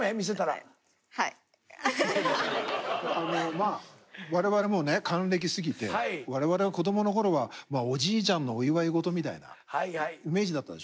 まあ我々もうね還暦過ぎて我々が子供のころはおじいちゃんのお祝い事みたいなイメージだったでしょ。